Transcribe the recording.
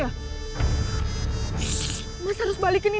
apa siapa lo udah cuma istirahat